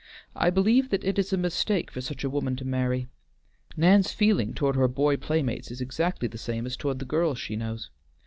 I believe that it is a mistake for such a woman to marry. Nan's feeling toward her boy playmates is exactly the same as toward the girls she knows.